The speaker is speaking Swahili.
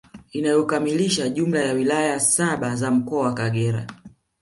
Inayokamilisha jumla ya wilaya saba za Mkoa wa Kagera